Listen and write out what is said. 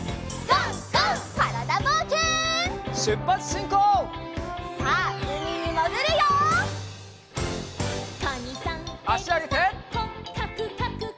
あしあげて。